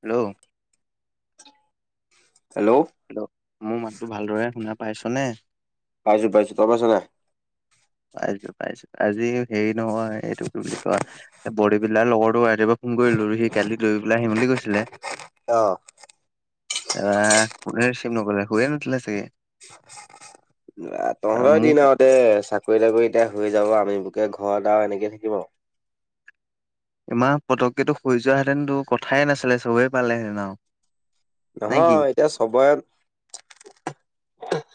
Hello hello মোৰ মাততো ভালদৰে শুনা পাইছ নে পাইছো পাইছো তই পাইছা নাই পাইছো পাইছো আজি হেৰি নহয় এইটো কি বুলি কয় বডি বিলডীৰ লগৰো আজি ফোন কৰিলো সি কালি লৈ পেলাই আহিম বুলি কৈছিলে। অহ এ ফোনে ৰিচিভ নকৰিলে শুইয়ে নুঠিলে চাগে [inaudible] তহঁতৰে মোক দিন আৰু দে চাকৰি তাকৰি এতিয়া হৈ যাব আম বোকে ঘৰত আৰু এনেকে থাকিম আৰু ইমাহ পতককেটো হৈ যোৱা হেতেনতো কথাইে নাছিলে চবেই পালেহেতেন আৰু নে কি? নহয় এতিয়া চবৰে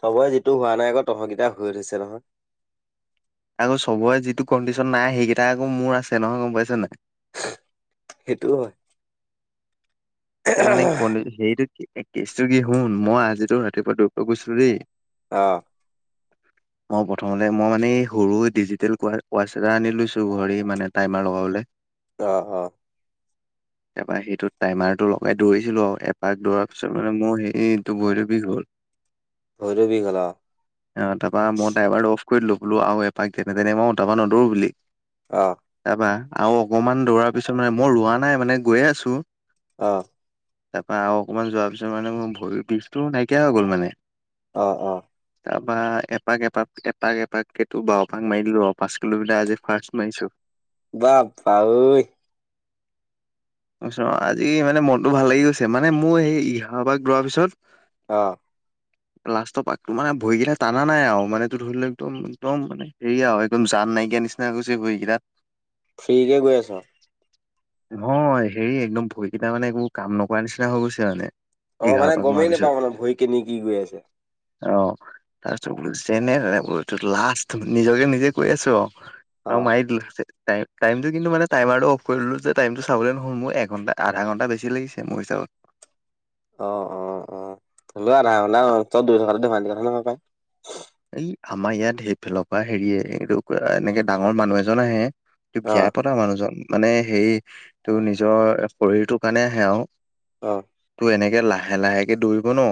চবৰে যিটো হোৱা নাই আকৌ তহত কেইটাৰ হৈ থৈছে নহয়। আকৌ চবৰে যিটো কণ্ডিশ্যন নাই সেইকেইটা আকৌ মোৰ আছে নহয় গম পাইছ নাই সেইটোও হয় এতিয়া মানে ক হেৰিটো কেছটো কি শুন মই আজিতো ৰাতিপুৱা দৌৰিব গৈছিলো দেই অ [inaudible] মই প্ৰথমতে মই মানে এই সৰু ডিজিটেল ৱাছ এটা আনি লৈছো ঘড়ী মানে টাইমাৰ লগাবলে অ অ তাৰা সেইটো টাইমাৰ লগাই দৌৰিছিলো আৰু এপাক দৌৰাৰ পিছত মানে মোৰ সেইটো ভৰিটো বিষ হ'ল ভৰিটো বিষ হ'ল আ অ তাৰাপা মই ড্ৰাইভাৰটো অফ কৰি লো বোলো আৰু এপাক যেনে তেনে মই তাপা নদৰো বুলি অ তাৰপা আৰু অকমান দৌৰাৰ পিছত মানে মই ৰোৱা নাই মানে গৈয়ে আছো অ তাপা আৰু অকণমান যোৱাৰ পিছত মানে মোৰ ভৰি বিষটো নাইকিয়া হৈ গ'ল মানে অ অ তাৰপৰা এপাক এপাক এপাক এপাকেতো বায্য পাক মাৰি দিলো পাঁচ কিলোমিটাৰ আজি ফাৰ্ষ্ট মাৰিছো বাপ পা ঐ আজি মানে মনটো ভাল লাগি গৈছে মানে মোৰ সেই এঘাৰ পাক দৌৰাৰ পিছত অ [inaudible] লাষ্টৰ পাকটো মানে ভৰিকটা টানা নাই আৰু মানে তো ধৰি লও একদম একদম মানে হেৰিয়া আৰু একদম জান নাইকিয়া নিচিনা টাইম হৈছে ঘড়ী তাত ফ্ৰীকে কৈ আছা নহয় হেৰি একদম ভৰিকেইটা মানে একো কাম নকৰা নিচিনা হৈ গৈছে মানে অ এঘাৰ মানে পাক মৰাৰ গমেই পিছত। নাপাওঁ মানে ভৰি কেনে কি গৈ আছে অ তাৰপিছত চেনেই হৈ বোলো লাষ্ট নিজকে নিজে কৈ আছো অ অ আৰু মাৰি দিলোমটো কিন্তু মানে টাইমাৰটো অফ কৰিলো যে টাইমটো চাবলৈ নহ'ল মোৰ এঘণ্টা আধা ঘণ্টা বেছি লাগিছে মোৰ হিচত অহ', - অ', - অ', - থলুৱা আধা ঘনা ত দুইশকা ধম কথা নহয় পাই। এই আমাৰ ইয়াত সেইফালৰ পৰা হেৰিয়ে এইটো এনেকে ডাঙৰ মানুহ এজন আহে। এই অ বিয়া পা- মানুহজন মানে সেইটো নিজৰ শৰীৰটোৰ কাৰণে আহে আৰু- অঁ। তোৰ এনেকে লাহে-লাহেকে দৌৰিব ন।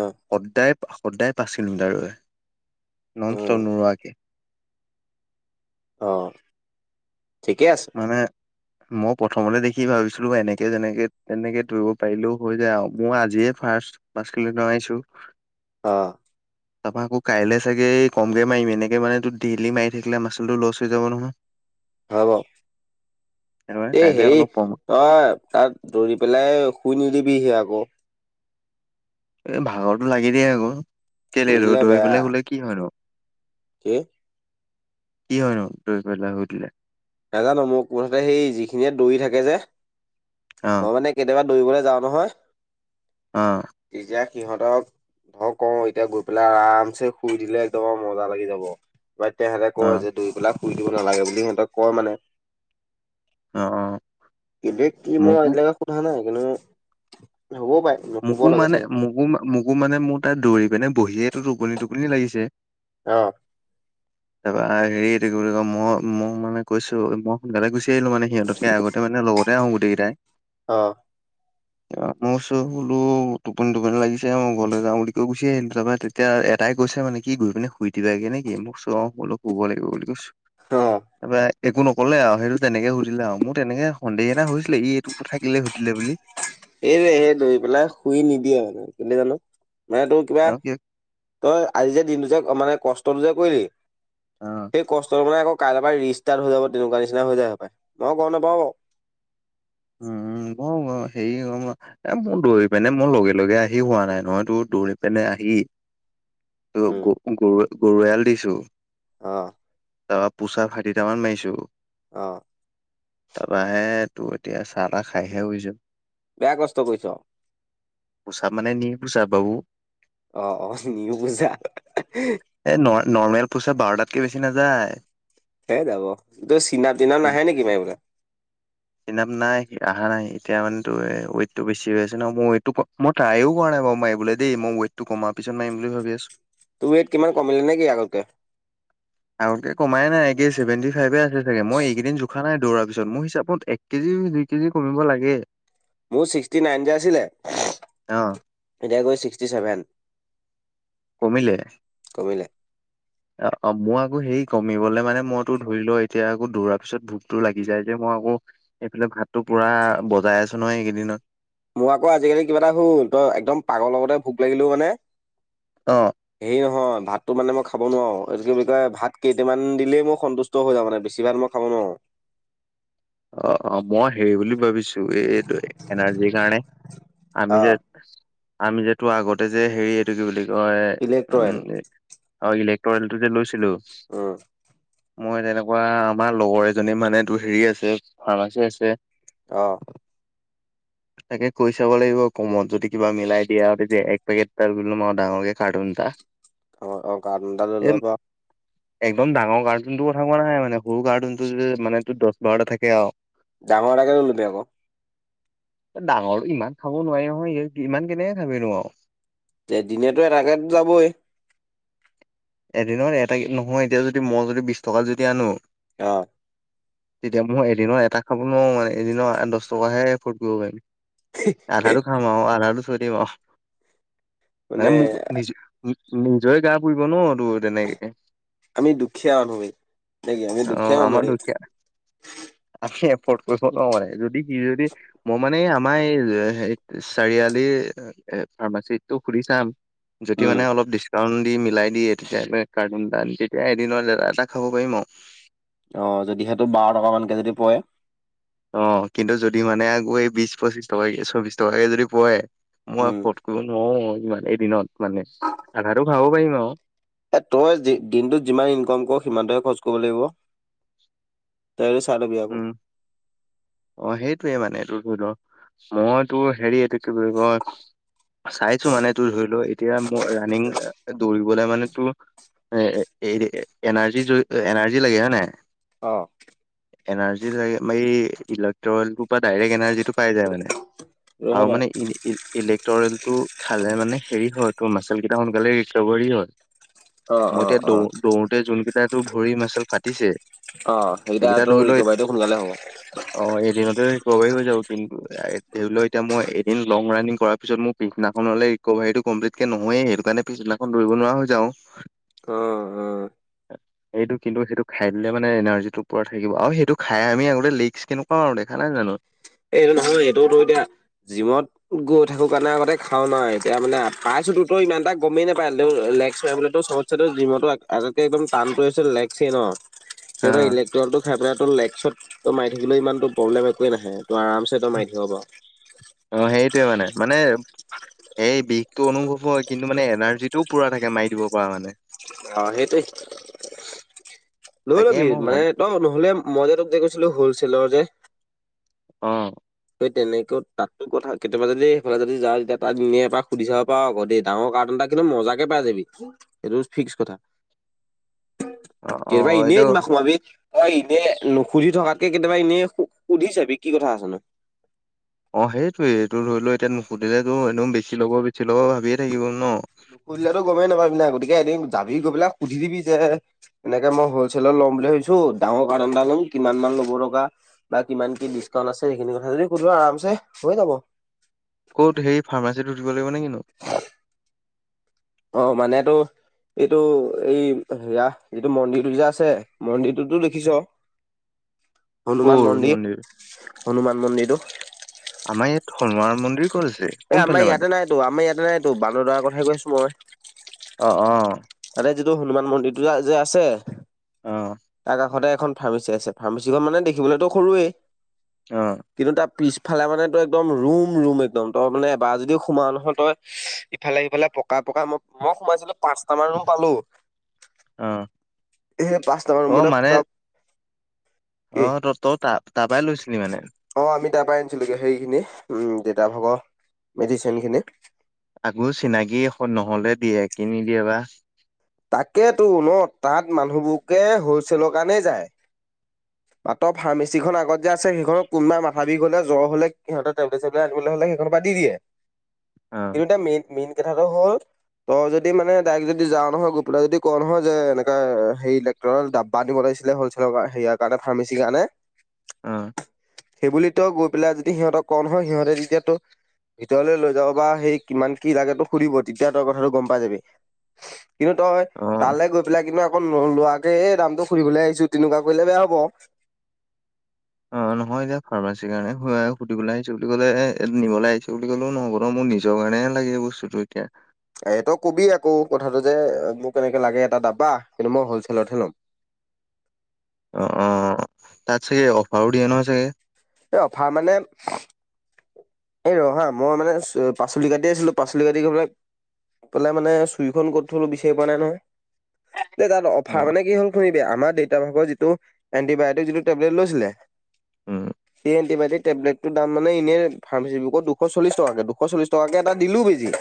অঁ। সদায়-সদায় ফচিলো দৰে নষ্ট অ নকৰাকে। অ', ঠিকে আছে। মানে- মই প্ৰথমতে দেখি ভাবিছিলো এনেকে, যেনেকে, তেনেকে ধৰিব পাৰিলেও হৈ যায় আৰু মই আজিয়ে ফাৰ্ষ্ট- পাছ কিলোমিটাৰ মাৰিছো। অঁ। [unintelligible] আকৌ কাইলে চাগে কমকে মাৰিম এনেকে মানে ত' ডেইলি মাৰি থাকিলে মাচুলটো লছ হৈ যাব নহয়। হ'ব, সেইটো কাৰণে এই কাইলে সেই- অলপ কম অহ', - তা'ত দৌৰি পেলাই শুই নিদিবিহি আকৌ- এই ভাগৰটো লাগি দিয়ে আকৌ কেলে শুই দিলে দৌৰি বেয়া পেলাই শুলে বোলে কি হয় ন। কি- কি হয় নো দৌৰি পেলাই শুই দিলে। নাজানো মোক মুঠতে সেই যিখিনিয়ে দৌৰি থাকে যে। অ। মই মানে কেতিয়াবা দৌৰিবলৈ যাওঁ নহয়। অঁহ। তেতিয়া সিহঁতক- ধৰক ক' এতিয়া গৈ পেলাই আৰাম চেঞ্জ শুই দিলেই একদম মজা লাগি যাব। বা তেহেঁতে অ কয় যে দুই পেলাক শুই দিব নালাগে বুলি সিহঁতক কয় মানে- অ অ এতিয়া কি মই মোকো আজিলৈকে সোধা নাই কিন্তু হবও পাৰে। নুশুব মোক লাগে মানে চাগে মোকো-মোকো মানে মোৰ তা'ত দৌৰি পিনে বহিয়েইটো টোপনি-টোপনি লাগিছে। অঁহ। [unintelligible] তাৰপৰা হেৰি এই কি বুলি কয় মই মোক মানে কৈছো মই সোনকালে গুচি আহিলো মানে সিহঁত- আগতেনো লগতে আহো গোটেই কেইটাই। অহ। মোক-চোক ধোলো, টোপনি-টোপানি- লাগিছে। মই ঘৰলে যাওঁ বুলি কৈ গুছি আহোতে তেতিয়া এটাই গৈছে মানে কি গৈ পিনে শুই দিবাগে নেকি মোক-চুক- কব লাগিব বুলি কৈছো। অ তাৰপৰা- একো নক'লে আৰু সেইটো তেনেকে সুধিলে আৰু মোৰ তেনেকে সন্দেহ এটা হৈছিলে এইটো কথা কেলে সুধিলে বুলি। এই যে সে লৈ পেলাই শুই নিদিয়ে মানে তেন্তে জানো মানে তোৰ কিবা- তেওঁ কি তই আজি যে দিনটো যে মানে কষ্টটো যে কৰিলি অ সেই কষ্টটো মানে আকৌ- কাইলৈ পৰা ৰিষ্টাৰ্ট হৈ যাব, তেনেকুৱা নিচিনা হৈ যায় পায়। মই গম নাপাওঁ বাও। উম-উম। অ' হেৰি এ মোৰ দৌৰি পিনে মোৰ লগে-লগে আহি হোৱা নাই নহয় তোৰ দৌৰি পিনে আহি- উম গৰু-গৰু এয়ালি দিছো। অহ। তাৰপৰা পুছা ফাঠিটামান মাৰিছো। অ'। তাৰপা হে, তোৰ এতিয়া চাহ তাহ খাইহে শুইছোঁ। বেয়া কষ্ট কৰিছ। পোছাক মানে নিউ পোছাক বাৰু। অ', অ' নিউ পূজা। এই ন-নৰ্মেল পোচা বাৰটাতকে বেছি নাযায়। সেই যাব। তোৰ চিনাপ টিনাপ নাহে নেকি মাৰ এইবিলাক? ফিনাপ নাই, আহা নাই। এতিয়া মানে তোৰ ৱেটটো বেছি হৈ আছে ন' মই এইটো ম ট্ৰাইও কৰা নাই বাৰু মাৰিবলৈ দেই। মই ৱেইটটো কমাৰ পিছত মাৰিম বুলি ভাবি আছোঁ। তুমি এইট কিমান কমিলে নেকি আগতকে? আগতকে কমাই নাই। একে ছেভেনটি ফাইভে আছে চাগে। মই এইকেইদিন জোখা নাই দৌৰাৰ পিছত, মোৰ হিচাপত এক কেজি, দুই কেজি কমিব লাগে। মোৰ ছিক্সটি নাইন যে আছিলে, অ এতিয়া গৈ ছিক্সটি ছেভেন। কমিলে। কমিলে অ', অ' মই আকৌ হেই কমিবলে মানে মই তেওঁৰ ধৰি ল এতিয়া আকৌ দৌৰাৰ পিছত ভোকটো লাগি যায় যে, মই আকৌ এইফালে ভাতটো পুৰা বজাই আছোঁ নহয় এইকেইদিনত। মোৰ আকৌ আজিকালি কিবা এটা হ'ল, তই একদম পাগলৰ লগতে ভোক লাগিলেও মানে অ'। হে নহয়, ভাতটো মানে মই খাব নোৱাৰোঁ। এই কি কয় ভাত কেইটামান দিলেই মোৰ সন্তুছ টো হৈ যাওঁ মানে বেছি ভাত মই খাব নোৱাৰোঁ। অ', অ' মই হেৰি বুলি ভাবিছ এ-এই এনাৰ্জিৰ কাৰণে অ আমি যে আমি যে টো আগতে যে হেৰি এইটো কি বুলি কয় উম ইলেক্ট্ৰইল অ' ইলেক্টৰিলটো যে লৈছিলোঁ উম, মই তেনেকুৱা আমাৰ লগৰ এজনীত মানে তোৰ হেৰি আছে ফাৰ্মাচী আছে। অ'। তাকে কৈ চাব লাগিব কমত যদি কিবা মিলাই দিয়ে আৰু তেতিয়া এক পেকেট এটা লৈ ল'ম আৰু ডাঙৰকে কাৰ্টুন এটা। অ', অ' কাৰ্টুন এটা লৈ এই ল'ব পাৰ। একদম ডাঙৰ গাৰ্ডেনটো কথা কোৱা নাই মানে সৰু গাৰ্ডেনটো যে মানে তোৰ দহ বাৰটা থাক কে আৰু। ডাঙৰ এটাকে লৈ ল'বি আকৌ। ডাঙৰ ইমান খাব নোৱাৰি নহয়, এই ইমান কেনেকে খাবিনো আৰু। যে দিনেতো এটাকে যাবই। এদিনত এটা নহয়, এতিয়া যদি মই যদি বিশ টকাত যদি আনো অ'। তেতিয়া মই এদিনৰ এটা খাব নোৱাৰোঁ মানে, এদিনৰ আঠ দহ টকাহে এফৰ্ট কৰিব পাৰিম। আধাটো খাম আৰু, আধাটো থৈ দিম আৰু, মানে মোক নিজ নি-নিজৰে গা পুৰিব ন' তোৰ তেনেকে। আমি দুখীয়া মানুহ হে, নেকি আমি অ দুখীয়া মানুহ আমাৰ ৰে। দুখীয়া আমি এফৰ্ড কৰিব নোৱা [unintelligible] যদি সি যদি মই মানে আমাৰ এই হে, চাৰিআলিৰ ফাৰ্মাচিটোক সুধি চাম। যদি উম, মানে অলপ ডিছ কাউন দি মিলাই দিয়ে তেতিয়াহ'লে কাৰ্টুন এটা আনি। তেতিয়া এদিনত এটা এটা খাব পাৰিম আৰু। অঁ যদি সেইটোত বাৰ টকামানকৈ যদি পৰে- অ, কিন্তু যদি মানে আকৌ এই বিশ-পঁচিশ টকাকে চৌবিশ টকাকে যদি পৰে মই- উম, মই নোৱাৰো আৰু ইমান এদিনত মানে আধাটো খাব পাৰিম আৰু। এ তই দিনটোত যিমান ইনকাম কৰ সিমানটোহে খৰচ কৰিব লাগিব। তাই আৰু চাই লাবি আকৌ। উম অ, সেইটোৱে মানে তোৰ ধ মই তোৰ সেৰি এইটো কি বুলি কয়- চাইছো মানে তোৰ ধৰি লও এতিয়া মই ৰাণিং দৌৰিবলৈ মানে তোৰ- এ এই এনাৰ্জি এনাৰ্জি লাগে হয় নাই? অ, এনাৰ্জি লাগে সেই ইলেক্ট্ৰনৰ পৰা ডাইৰেক্ট এনাৰ্জিটো পাই যায় মানে। নহয় আৰু বাৰু, মানে এনে- ইলেক্ট্ৰৰেল টো খালে মানে হেৰি হয় ত মাচেল কেইটা সোনকালে ৰিকভাৰি হয়। অ', মই অ', এতিয়া অ', দৌ দৌতে যোন কেইটাতটো ভৰি মাচল ফাটিছে। অ সেইকেইটা সেইটাতু ধৰি লও ৰিকভাৰীটো সোনকালে হ'ব। অ এদিনতে ৰিকভাৰি হৈ যাব কিন্তু ধৰি লও এতিয়া মই এদিন লং ৰাণিং কৰাৰ পিছত মোক- পিছদিনাখনলে ৰিকভাৰীটো কমপ্লিট কে নহয়েই সেইটো কাৰণে পিছদিনাখন দৌৰিব নোৱাৰা হৈ যাওঁ। অ, অ, এইটো কিন্তু সেইটো খাই দিলে মানে এনাৰ্জি টো পুৰা থাকিব আৰু সেইটো খাই আমি আগতে লিক্স- কেনেকুৱা আৰু দেখা নাই জানো? এ এইটো নহয় এইটোতো এতিয়া জিমত- গৈ থাকো কাৰণে আগতে খাও না এতিয়া মানে পাইছোটো ত ইমানটা গমেই নাপায় লেও লেগচ কৰিবলেটো চ - টো জিমতো আগতকে একদম টানটোৱে হৈছে লেগচ এ ন। হা সিহঁতে ইলেক্ট্ৰটো খাই পেলাইটো লেকচত মাৰি থাকিলো ইমানটো প্ৰব্লেম একোৱেই নাহে, এইটো আৰামচ- এইটো মাৰি থাকিব পাৰ। অ সেইটোৱে মানে, মানে- এই বিষটো অনুভৱ হয় কিন্তু মানে এনাৰ্জিটো পুৰা থাকে মাৰি দিব পৰা মানে। অ সেইটোৱেই, লৈ তাকে লবি মই ভাবি মানে- তই মোক নহলে মই যে তোক যে গৈছিলো হলচেলৰ যে- অ, সেই তেনেকৈও তাততো কথা কেতিয়াবা দে সেইফালে যদি যা তেতিয়া তাক নিয়ে আক সুধি চাব পাৰো আকৌ দেই ডাঙৰ কাৰতন তাক- কিন্তু মজাকে পাই যাবি সেইটো ফিক্স কথা। [inaudible] অ অ কেওৰা এনেই এইটো মাৰ খুৱাবি। হয় এনে নুখুধি থকাতকে কেতিয়াবা এনেই সুধি চাবি কি কথা আছে নো। অ সেইটোৱে এইটো ধৰি লও এতিয়া নুখুধিলে তো এনেও বেছি লব বেছি লব ভাবিয়ে থাকিব ন। নুসুধিলেটো গমেই নাপাব না গতিকে এদিন যাবি গৈ পেলাই সুধিবি যে- এনেকে মই হলচেলত ল'ম বুলি ভাবিছো ডাঙৰ কৰ্তন এটা ল'ম কিমান মান ল'ব টকা? বা কিমান কি ডিচকাউণ্ট আছে? সেইখিনি কথা যদি সুধ আৰামছে হৈ যাব। ক'ত হে ফাৰ্মাচীটোত সুধিব লাগিব নে কিনো? অ মানে টো- এইটো এই ৰাস যিটো মন্দিৰটো যে আছে মন্দিৰটোতো দেখিছ? [inaudible] হনুমান মন্দিৰ হনুমান মন্দিৰটো। আমাৰ ইয়াত হনুমান মন্দিৰ! ক'ত আছে এ কোনফালে আমাৰ মানে ইয়াতে নাইটো আমাৰ ইয়াতে নাইটো বান্দৰ দোৱাৰ কথাহে কৈছো মই। অ অ। তাতে যিটো হনুমান মন্দিৰটো যে আছে অ তাৰ কাষতে এখন। ফাৰ্মাচী আছে ফাৰ্মাচীখন মানে দেখিবলৈতো সৰুৱেই। অ। কিন্তু তাৰ পিছফালে মানে তই একদম ৰুম ৰুম একদম তই মানে এবাৰ যদিও সোমোৱা নহয় তই। ইফালে সিফালে পকা পকা মই মই সোমাইছিলো পাঁচ। আমাৰ ৰুম পালো অ সেই পাঁচ নম্বৰ অ ৰুমতে মানে পুৰা। অ কি ত তই ত তাৰপৰা লৈছিলি মানে। অ আমি তাৰ পৰা আনিছিলোে হেৰি খিনি উ দেতা ভাগৰ মেডিচিন খিনি। তাকো চিনাকি এ নহলে দিয়ে কি নিদিয়ে বা। তাকে তো ন তাত মানুহবোৰকে হ'লচেলৰ কাৰণেই যায়। [inaudible] মাতৰ ফাৰ্মাচি খ আগত যে আছে সেইখনত কোনোবা মাথা বিষ হ'লে জ্ব হ'লে সিহঁতৰ টেবলেট। আনিবলৈ হ'লে সেইখন দি দিয়ে। অ। কিন্তু মেইন মেইন কথাটো হ'ল তই যদি মানে ডাইৰেক্ট যদি যাৱও নহয়। তই যদি কওঁ নহয় যে এনেকৈ সেই ইলেক্ট্ৰিকল ডাব্বা নিব লাগিছিলে হ'লচেলৰ সেয়াক। তাতে ফাৰ্মাচিৰ কাৰণে। অ। সেইবুলি তই গৈ পেলাই যদি সিহঁতৰ ক নহয় সিহঁতে তেতিয়াতো। ভিতৰলৈ লৈ যাব বা সেই কিমান কি লাগে তো সুধিব তেতিয়া তই কথাটো গম পাই যাবি। কিন্তু তই অ তালৈ গৈ পেলাই কিন্তু আকৌ নোলোৱাকে এই দামটো সুধিবলৈ আহিছো তেনেকুৱা কৰিলে বেয়া হব। অ নহয় এতিয়া ফাৰ্মাচীৰ কাৰণে সুধিবলৈ আহিছো বুলি ক'লে নিবলৈ আহিছো বুলি ক'লেও নহ'ব ন মোৰ নি। নিজৰ কাৰণে হে লাগে বস্তুটো এতিয়া। এটো কবি আকৌ কথাটো যে মোক এনেকে লাগে এটা দাবা কিন্তু মই হলচেলতহে ল'ম। অ অ তাত চাগে অফাৰো দিয়ে নহয় চাগে। এই অফাৰ মানে। এই ৰহা মই মানে পাচলি কাটি আছিলো পাচলি কাটি। পালে মানে চুইখন ক'ত থলো বিচাৰি পোৱা নাই নহয়। এ তাত অ অফাৰ মানে কি হ'ল একো নিদিয়ে আমাৰ দেউতা ভাগৰ যিটো। এণ্টিবায়টিক যিটো টেবলেট লৈছিলে উম সেই এণ্টিবায়টিক টেবলেটটোৰ দাম মানে এনে। ফাৰ্মাচী দুশ চল্লিশ টাকাকে দুশ চল্লিছটকাকে এটা দিলোও কিনি।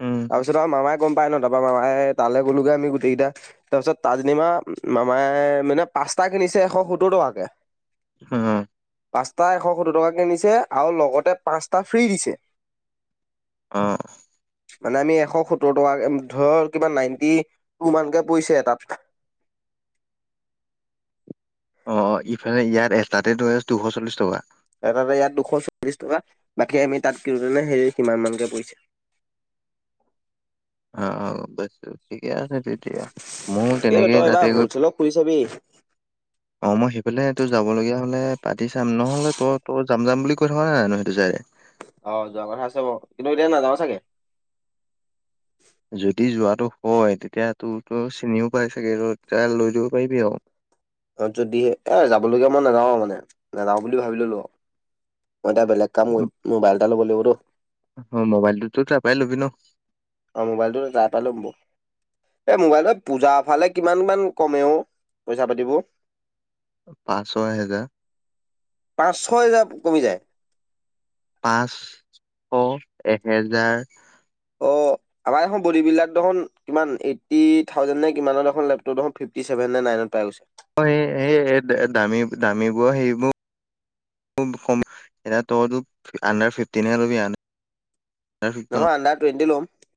উম তাৰপিছত আমাৰ মামাই গম পায় ন তাৰাপৰা মামাই তালৈ গ'লোগে আমি গোটেইকেইটা। তাৰপিছত তাজনিমা মাই মানে পাস্তা কিনিছে এশ সত্তৰ টকাকে। উ। পাঁচটা এশ সত্তৰ টকাকৈ নিছে আৰু লগতে পাঁচটা ফ্ৰী দিছে। অঁ। মানে আমি এশ সত্তৰ টকা ধৰ কিবা নাইনটি টু মানকে পৰিছে এটাত। অ ইফালে ইয়াত এটাতে আছে দুশ চল্লিশ টকা লয়। এটাতে ইয়াত দুশ চল্লিশ টকা বাকী আমি তাত কিনোতে হেৰি কিমান মানকে পৰিছে। আহ অ বে ঠিকে আছে তেতিয়া ময়ো এইটো তেনেকেই তই এবাৰ তাতে গৈ। [inaudible] হ'লচেলত খুলি চাবি অ মই সেইফালে তো যাব লগীয়া হ'লে পাতি চাম নহ'লে তই তই যাম যাম বুলি কৈ থকা নাই জানো সেইটো চাইদে। অ যোৱা কথা আছে বাৰ কিন্তু এতিয়া নাযাওঁ চাগে। যদি যোৱাটো হয় তেতিয়া তোৰ তো চিনিও পাই চাগে তেতিয়া লৈ দিব পাৰিবি আৰু। যদিহে, এ যাবলগীয়া মই নাযাওঁ মানে। নাযাওঁ বুলি ভাবি ললোঁ আও। মই এতিয়া বেলেগ কাম কৰিম। মোবাইল এটা ল'ব লাগিবতো। অ' মোবাইলটো তো তাৰপৰাই লবি ন'। অ' মোবাইলটো যা তা ল'ম ব। এই মোবাইলত পূজাৰ ফালে কিমান মান কমে অ' পইচাপাতিবোৰ? পাঁচ - ছয় হেজাৰ। পাঁচ - ছয় হেজাৰ কমি যায়? পাঁচ শ এহেজাৰ অ [inaudible] আমাৰ এখন বোডী বিল্ডাৰ দেখোন কিমান এইট্টি থাউজেন নে কিমানৰ দেখোন লেপটপ দেখোন ফিফ টি চেভেন নে নাইনত পাই গৈছে। অ' এ- এ- এই দ- দামী- দামীবোৰ সেইবোৰ খুব কম- এতিয়া তইতো আণ্ডাৰ ফিফটিন হে ৰবি আ আণ্ডাৰ নহয়, আণ্ডাৰ টুৱেনটি লম।